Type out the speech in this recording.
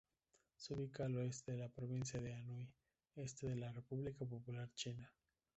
Se ubica al oeste de la provincia de Anhui, este de la República Popular China.